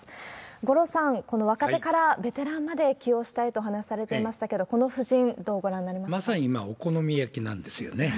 五郎さん、この若手からベテランまで起用したいと話されていましたけど、こまさに今、お好み焼きなんですよね。